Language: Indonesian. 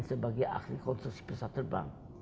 sebagai ahli konsulsi pesawat terbang